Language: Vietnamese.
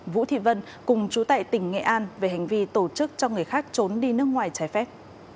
vũ thị vân cùng chú tại tỉnh nghệ an về hành vi tổ chức cho người khác trốn đi nước ngoài trái phép